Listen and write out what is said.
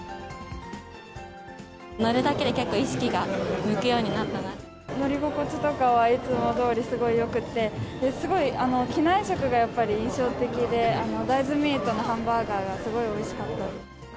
乗るだけで結構、意識が向く乗り心地とかは、いつもどおりすごいよくて、すごい機内食がやっぱり印象的で、大豆ミートのハンバーガーがすごいおいしかったです。